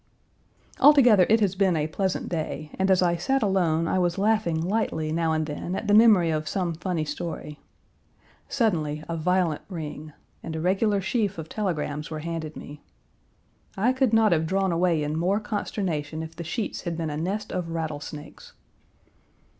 Altogether it has been a pleasant day, and as I sat alone I was laughing lightly now and then at the memory of some funny story. Suddenly, a violent ring; and a regular sheaf of telegrams were handed me. I could not have drawn away in more consternation if the sheets had been a nest of rattlesnakes.